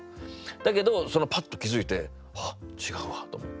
だけどパッと気付いてあ違うわと思って。